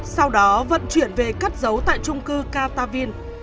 sau đó vận chuyển về cắt dấu tại trung cư katawin